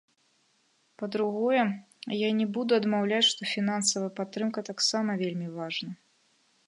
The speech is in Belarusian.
Па-другое, я не буду адмаўляць, што фінансавая падтрымка таксама вельмі важна.